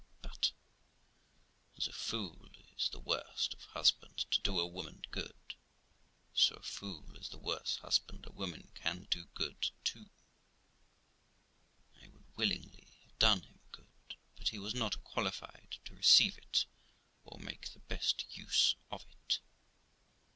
But, as a fool is the worst of husbands to do a woman good, so a fool is the worst husband a woman can do good to. I would willingly have done him good, but he was not qualified to receive it or make the best use of it.